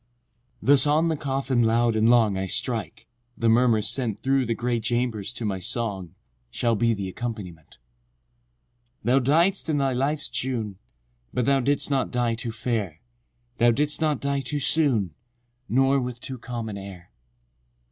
Thus on the coffin loud and long I strike—the murmur sent Through the grey chambers to my song, Shall be the accompaniment. IX. Thou died'st in thy life's June— But thou did'st not die too fair: Thou did'st not die too soon, Nor with too calm an air.